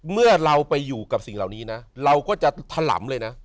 เมื่อเราไปอยู่กับสิ่งเหล่านี้นะเราก็จะถล่ำเลยนะ